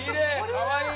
かわいい！